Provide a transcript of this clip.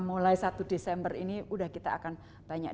mulai satu desember ini sudah kita akan banyak